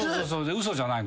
嘘じゃないので。